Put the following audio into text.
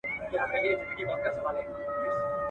o چي مرگى سته، ښادي نسته.